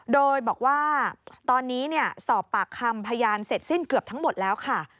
โดยบอกว่าตอนนี้สอบปากคำพยานเสร็จสิ้นเกือบทั้งหมดแล้วค่ะ